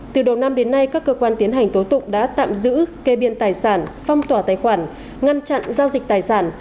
từ đầu năm đến nay các cơ quan tiến hành tố tụng đã tạm giữ kê biên tài sản phong tỏa tài khoản ngăn chặn giao dịch tài sản